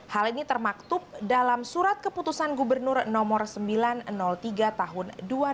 hal ini termaktub dalam surat keputusan gubernur nomor sembilan ratus tiga tahun dua ribu dua puluh